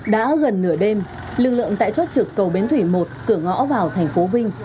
đã gần nửa đêm lực lượng tại chốt trực cầu bến thủy một cửa ngõ vào thành phố vinh